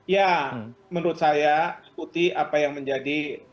ya menurut saya ikuti apa yang menjadi